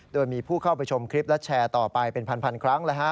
โดยมีผู้เข้าไปชมคลิปและแชร์ต่อไปเป็นพันครั้ง